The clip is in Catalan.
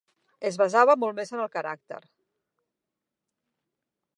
Es basava molt més en el caràcter.